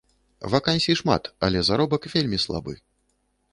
Вакансій шмат, але заробак вельмі слабы.